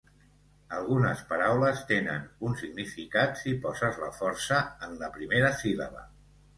Algunes paraules tenen un significat si poses la força en la primera síl·laba.